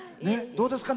どうですか？